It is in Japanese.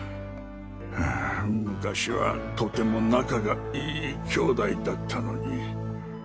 はあ昔はとても仲が良い兄弟だったのに。